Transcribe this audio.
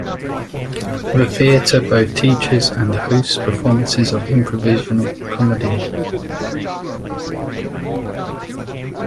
The theater both teaches and hosts performances of improvisational comedy.